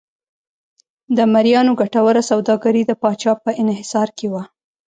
د مریانو ګټوره سوداګري د پاچا په انحصار کې وه.